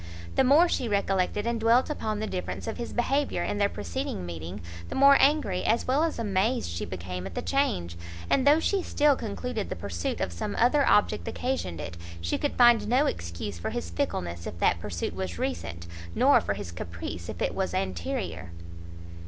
The more she recollected and dwelt upon the difference of his behaviour in their preceding meeting, the more angry as well as amazed she became at the change, and though she still concluded the pursuit of some other object occasioned it, she could find no excuse for his fickleness if that pursuit was recent, nor for his caprice if it was anterior.